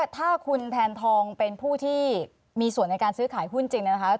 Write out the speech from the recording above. ถ้าคุณแทนทองเป็นผู้ที่มีส่วนในการซื้อขายหุ้นจริงเนี่ยนะคะ